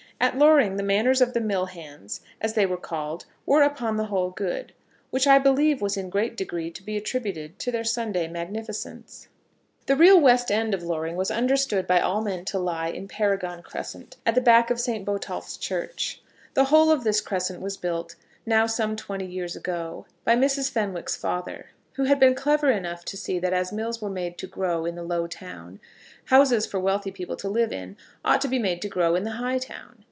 At Loring the manners of the mill hands, as they were called, were upon the whole good, which I believe was in a great degree to be attributed to their Sunday magnificence. The real West end of Loring was understood by all men to lie in Paragon Crescent, at the back of St. Botolph's Church. The whole of this Crescent was built, now some twenty years ago, by Mrs. Fenwick's father, who had been clever enough to see that as mills were made to grow in the low town, houses for wealthy people to live in ought to be made to grow in the high town.